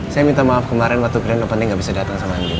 saya minta maaf kemarin waktu grand opening gak bisa datang sama andre